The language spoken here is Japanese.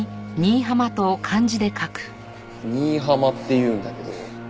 新浜って言うんだけど。